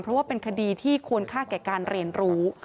เพราะว่าเป็นคดีที่ควรค่าแก่การเรียนรู้